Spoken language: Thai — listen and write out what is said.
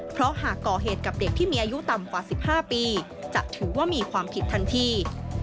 เพราะหากก่อเหตุกับเด็กที่มีอายุต่ำกว่า๑๕ปีจะถือว่ามีความผิดทันที